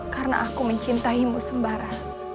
karena aku mencintaimu sembara